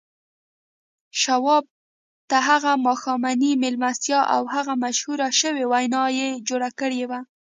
شواب ته هغه ماښامنۍ مېلمستیا او هغه مشهوره شوې وينا يې جوړه کړې وه.